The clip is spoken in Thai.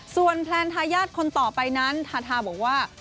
ส่วนแพลนทายาทคนต่อไปนั้นทาทาบอกว่า